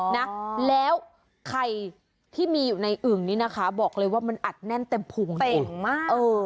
นะแล้วไข่ที่มีอยู่ในอึ่งนี้นะคะบอกเลยว่ามันอัดแน่นเต็มผุงเก่งมากเออ